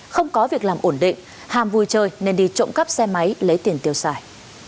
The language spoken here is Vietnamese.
không có việc làm ổn định hàm vui chơi nên đi trộm cắp xe máy lấy tiền tiêu xài